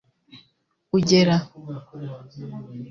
ugera